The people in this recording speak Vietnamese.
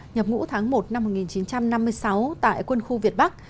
nhập ngũ tháng một năm một nghìn chín trăm năm mươi sáu tại quân khu việt bắc